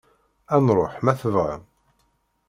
Ad nruḥ, ma tebɣam.